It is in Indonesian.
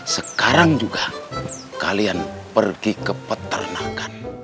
sekarang juga kalian pergi ke peternakan